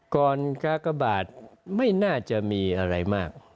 กากบาทไม่น่าจะมีอะไรมาก